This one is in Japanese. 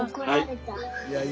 はい。